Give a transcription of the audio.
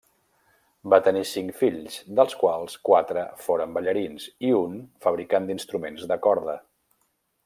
Va tenir cinc fills, dels quals quatre foren ballarins i un fabricant d'instruments de corda.